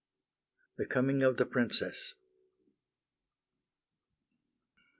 THE COMING OF THE PRINCESS I.